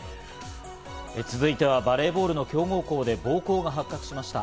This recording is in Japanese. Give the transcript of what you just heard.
続いてはバレーボールの強豪校で暴行が発覚しました。